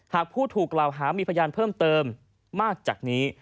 หากผู้ถูกกล่าวหามีพยานเพิ่มเติมมากจากนี้